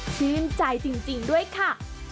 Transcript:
ชื่นใจจริงด้วยค่ะ